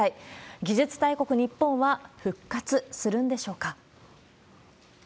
技術大国日本は復活するんでしょうか。